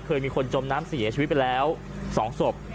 เคยมีคนจมน้ำเสียชีวิตไปแล้ว๒ศพ